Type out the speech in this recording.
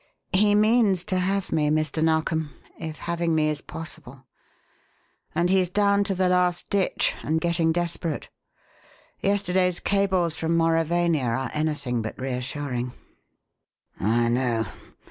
He means to have me, Mr. Narkom, if having me is possible; and he's down to the last ditch and getting desperate. Yesterday's cables from Mauravania are anything but reassuring." "I know.